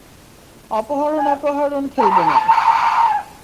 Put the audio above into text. অপহরণ অপহরণ খেলবো না।